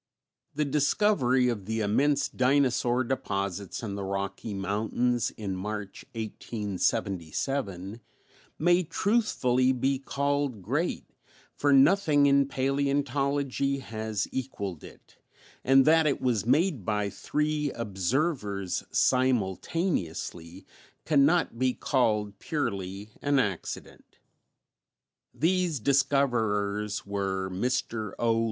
The discovery of the immense dinosaur deposits in the Rocky Mountains in March, 1877, may truthfully be called great, for nothing in paleontology has equalled it, and that it was made by three observers simultaneously can not be called purely an accident. These discoverers were Mr. O.